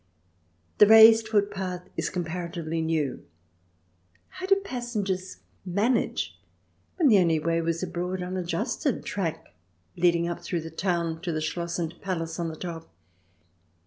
This raised footpath is comparatively new. How did passengers manage when the only way was a broad, unadjusted track leading up through the town to the Schloss and Palace on the top